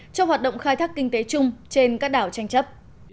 cho hoạt động khai thác kinh tế chung trên các đảo tranh chấp